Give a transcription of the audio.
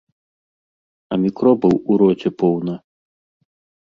А мікробаў у роце поўна.